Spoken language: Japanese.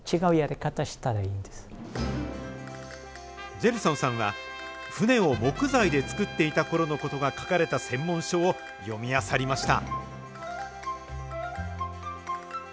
ジェルソンさんは、船を木材で作っていたころのことが書かれた専門書を読みあさりました。